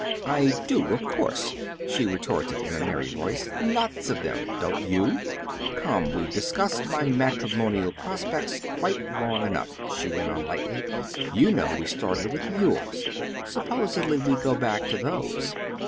"I do, of course," she retorted in a merry voice, "lots of them. Don't you? Come, we've discussed my matrimonial prospects quite long enough," she went on lightly. "You know we started with yours. Suppose we go back to those."